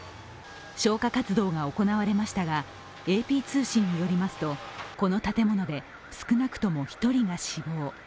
消火活動が行われましたが、ＡＰ通信によりますと、この建物で少なくとも１人が死亡。